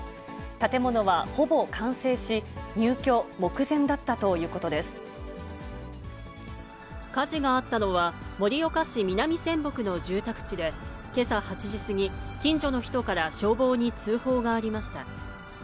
建物はほぼ完成し、火事があったのは、盛岡市南仙北の住宅地で、けさ８時過ぎ、近所の人から消防に通報がありました。